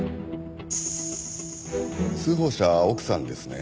通報者は奥さんですね。